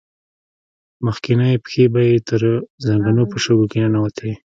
مخکينۍ پښې به يې تر زنګنو په شګو کې ننوتې.